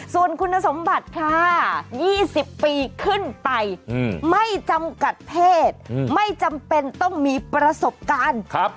ส่วนคุณสมบัติค่ะ๒๐ปีขึ้นไปไม่จำกัดเพศไม่จำเป็นต้องมีประสบการณ์